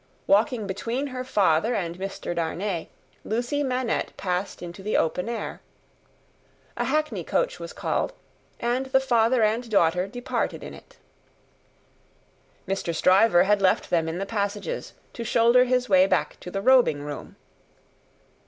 Walking between her father and Mr. Darnay, Lucie Manette passed into the open air. A hackney coach was called, and the father and daughter departed in it. Mr. Stryver had left them in the passages, to shoulder his way back to the robing room.